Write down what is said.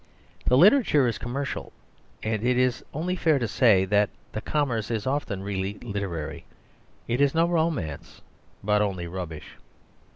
The literature is commercial; and it is only fair to say that the commerce is often really literary. It is no romance, but only rubbish.